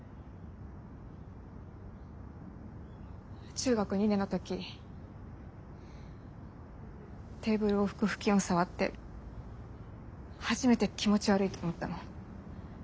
中学２年の時テーブルを拭く布巾を触って初めて気持ち悪いと思ったの。